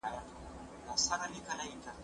کېدای سي ليک اوږد وي!.